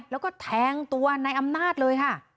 แล้วก็แทงตัวนายอำนาจเลยค่ะ